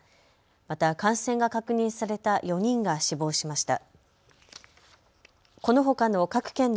また感染が確認された４人が死亡しました。